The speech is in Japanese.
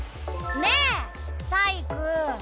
ねえタイイク。